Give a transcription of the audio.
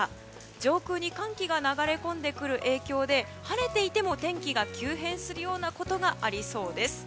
上空に寒気が流れ込んでくる影響で晴れていても天気が急変することがありそうです。